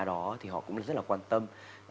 đó thì họ cũng rất là quan tâm